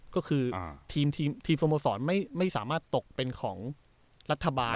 ก็คือทีมสโมสรไม่สามารถตกเป็นของรัฐบาล